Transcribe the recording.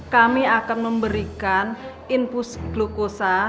kami akan memberikan infus glukosa